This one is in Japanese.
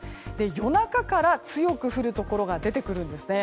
夜中から強く降るところが出てくるんですね。